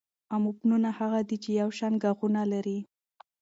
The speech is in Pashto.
اموفونونه هغه دي، چي یو شان ږغونه لري.